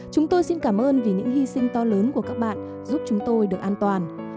chúng tôi xin cảm ơn vì những hy sinh to lớn của các bạn giúp chúng tôi được an toàn